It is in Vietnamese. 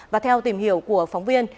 và theo tìm hiểu của phóng viên